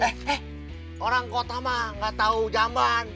eh eh orang kota mah gak tahu jamban